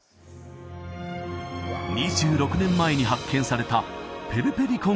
２６年前に発見されたペルペリコン